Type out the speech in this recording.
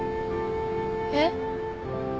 えっ？